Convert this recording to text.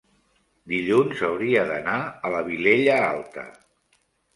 dilluns hauria d'anar a la Vilella Alta.